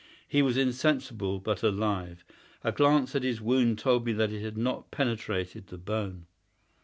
He was insensible, but alive. A glance at his wound told me that it had not penetrated the bone.